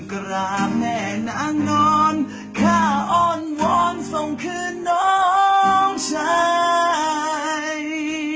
กราบแม่นางนอนแค่อ้อนวอนส่งคืนน้องชาย